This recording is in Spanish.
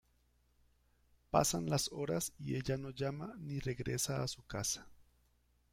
Pasan las horas y ella no llama ni regresa a su casa.